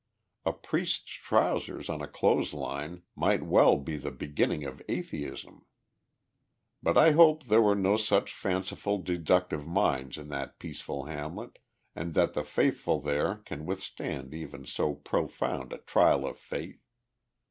A priest's trousers on a clothes line might well be the beginning of atheism. But I hope there were no such fanciful deductive minds in that peaceful hamlet, and that the faithful there can withstand even so profound a trial of faith.